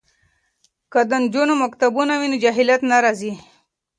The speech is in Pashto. که د نجونو مکتبونه وي نو جهالت نه راځي.